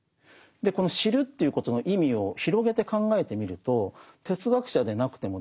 この知るっていうことの意味を広げて考えてみると哲学者でなくてもですね